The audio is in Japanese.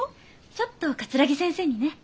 ちょっと桂木先生にね。